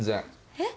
えっ？